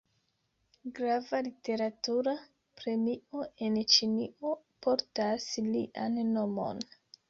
Grava literatura premio en Ĉinio portas lian nomon.